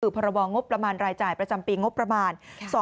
หรือภรวงงบประมาณรายจ่ายประจำปีงบประมาณ๒๕๖๓